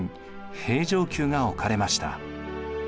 平城宮が置かれました。